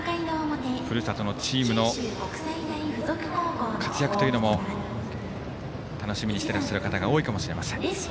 ふるさとのチームの活躍というのも楽しみにしてらっしゃる方が多いかもしれません。